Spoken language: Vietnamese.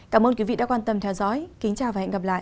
cảm ơn quý vị đã quan tâm theo dõi kính chào và hẹn gặp lại